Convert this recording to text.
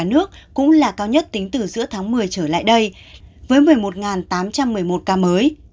nước cũng là cao nhất tính từ giữa tháng một mươi trở lại đây với một mươi một tám trăm một mươi một ca mới